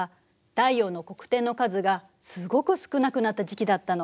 太陽の黒点の数がすごく少なくなった時期だったの。